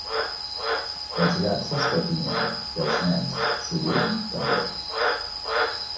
Els gats s'esgatinyen, i els nens, sovint, també.